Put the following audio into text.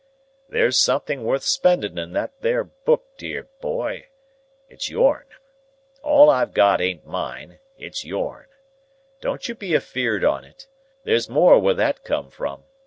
"There's something worth spending in that there book, dear boy. It's yourn. All I've got ain't mine; it's yourn. Don't you be afeerd on it. There's more where that come from.